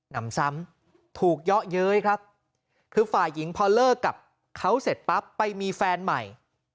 นำซ้ำถูกเยาะเย้ยครับคือฝ่ายหญิงพอเลิกกับเขาเสร็จปั๊บไปมีแฟนใหม่